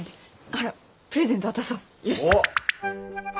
ほらプレゼント渡そう。